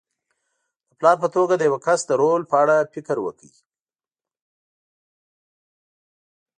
د پلار په توګه د یوه کس د رول په اړه فکر وکړئ.